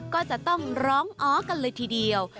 ก็จะต้องร้องอ๋อกันเลยทีเดียว